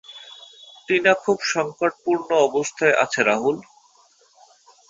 টিনা খুব সংকটপূর্ণ অবস্থায় আছে রাহুল।